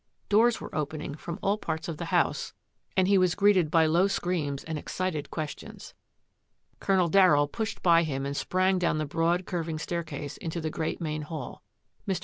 Doors were opening from all parts of the house 44 THAT AFFAIR AT THE MANOR and he was greeted by low screams and excited questions. Colonel Darryll pushed by him and sprang down the broad, curving staircase into the great main hall. Mr.